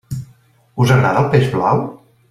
Us agrada el peix blau?